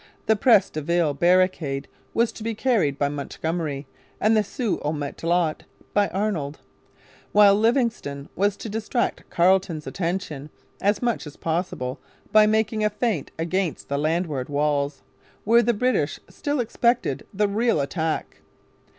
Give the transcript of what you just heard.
The Pres de Ville barricade was to be carried by Montgomery and the Sault au Matelot by Arnold, while Livingston was to distract Carleton's attention as much as possible by making a feint against the landward walls, where the British still expected the real attack.